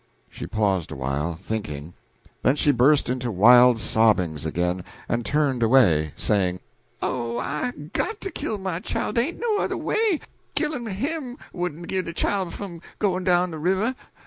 She paused awhile, thinking; then she burst into wild sobbings again, and turned away, saying, "Oh, I got to kill my chile, dey ain't no yuther way, killin' him wouldn't save de chile fum goin' down de river.